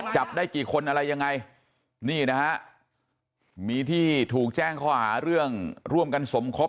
จับได้กี่คนอะไรยังไงนี่นะฮะมีที่ถูกแจ้งข้อหาเรื่องร่วมกันสมคบ